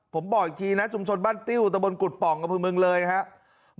ผมบอกอีกทีนะชุมชนบ้านติ้วตะบนกุฎป่องอำเภอเมืองเลยครับ